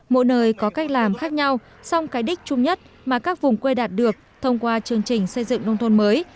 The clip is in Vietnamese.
mỗi nơi có cách làm khác nhau song cái đích chung nhất mà các vùng quê đạt được thông qua chương trình xây dựng nông thôn mới